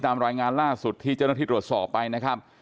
ตามรายงานล่าสุดที่เจ้าหน้าที่ตรวจสอบไปนะครับ